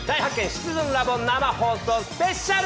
シチズンラボ生放送スペシャル」。